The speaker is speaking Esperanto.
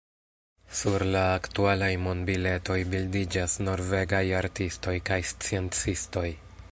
Sur la aktualaj monbiletoj bildiĝas norvegaj artistoj kaj sciencistoj.